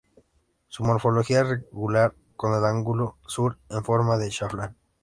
Su morfología es rectangular, con el ángulo Sur en forma de chaflán.